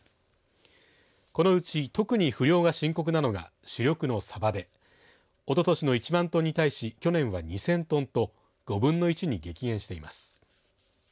このうち特に不漁が深刻なのが主力のさばでおととしの１万トンに対し去年は２０００トンと５分の１に激減しています。